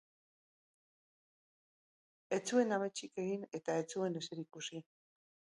Ez zuen ametsik egin eta ez zuen ezer ikusi.